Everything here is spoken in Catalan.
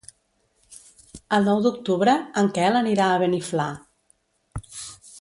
El nou d'octubre en Quel anirà a Beniflà.